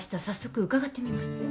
早速伺ってみます